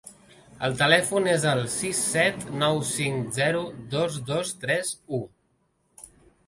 El telèfon és el sis set nou cinc zero dos dos tres u.